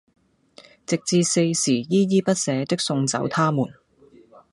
直至四時依依不捨的送走他們！